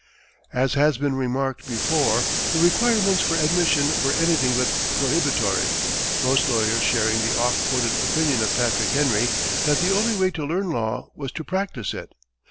As has been remarked before, the requirements for admission were anything but prohibitory, most lawyers sharing the oft quoted opinion of Patrick Henry that the only way to learn law was to practise it.